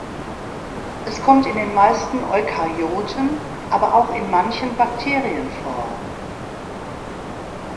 Es kommt in den meisten Eukaryoten, aber auch in manchen Bakterien vor.